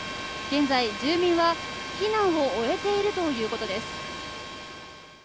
現在、住民は避難を終えているということです。